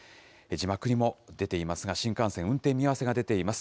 字幕にも出ていますが、新幹線、運転見合わせが出ています。